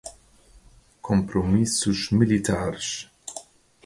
compromissos militares